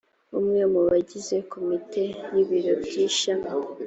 umwe mu bagize komite y ibiro byi ishami